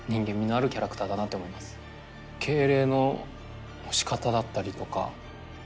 敬礼の仕方だったりとか。